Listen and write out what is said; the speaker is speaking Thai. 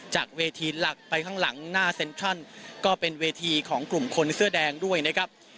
จากเวทีหลักไปข้างหลังหน้าเซ็นทรัลก็เป็นเวทีของกลุ่มคนเสื้อแดงด้วยนะครับ